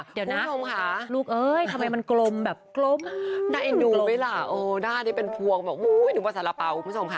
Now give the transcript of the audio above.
เดี๋ยวนะลูกเอ้ยทำไมมันกลมแบบกลมหน้าไอ้หนูไหมล่ะหน้าได้เป็นพวงเหมือนหนูมาสั่นระเป๋าคุณผู้ชมค่ะ